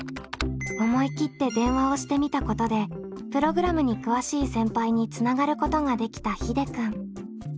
思い切って電話をしてみたことでプログラムに詳しい先輩につながることができたひでくん。